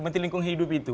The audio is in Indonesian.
menteri lingkungan hidup itu